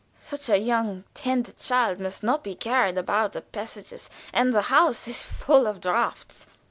Such a young, tender child must not be carried about the passages, and the house is full of draughts."